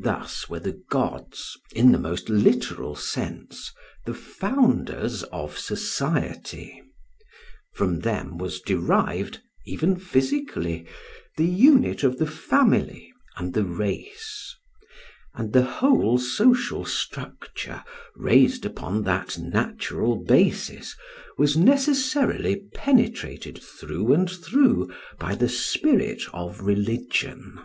Thus were the gods, in the most literal sense, the founders of society; from them was derived, even physically, the unit of the family and the race; and the whole social structure raised upon that natural basis was necessarily penetrated through and through by the spirit of religion.